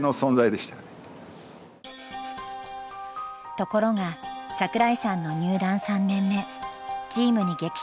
ところが桜井さんの入団３年目チームに激震が走った。